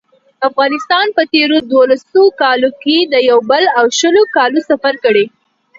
افغانستان په تېرو دولسو کالو کې د یو سل او شلو کالو سفر کړی.